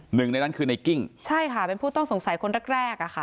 หนึ่งในนั้นคือในกิ้งใช่ค่ะเป็นผู้ต้องสงสัยคนแรกแรกอ่ะค่ะ